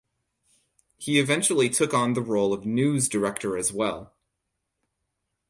He eventually took on the role of news director as well.